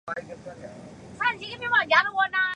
大卡萨是巴西米纳斯吉拉斯州的一个市镇。